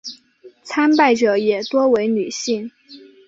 参拜者也多为女性。